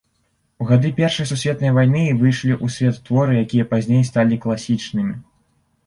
У гады першай сусветнай вайны выйшлі ў свет творы, якія пазней сталі класічнымі.